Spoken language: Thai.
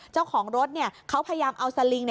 เจ้าของรถเขาพยายามเอาสลิง